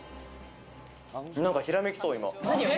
なんかひらめきそう、今。